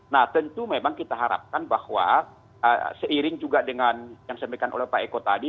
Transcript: nah tentu memang kita harapkan bahwa seiring juga dengan yang disampaikan oleh pak eko tadi